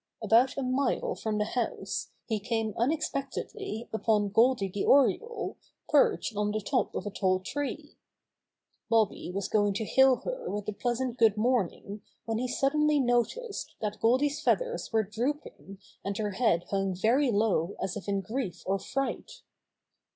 About a mile from the house, he came unexpectedly upon Goldy the Oriole perched on the top of a tall tree. Bobby was going to hail her with a pleasant good morning when he suddenly noticed that Goldy's feathers were drooping and her head hung very low as if in grief or fright.